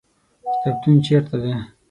کتابتون چیرته دی؟